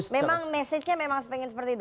memang message nya memang pengen seperti itu